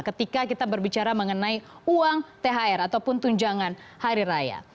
ketika kita berbicara mengenai uang thr ataupun tunjangan hari raya